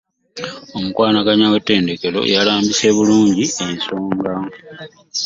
Omukwanaganya w'enteekateeka yalambise bulungi ensonga.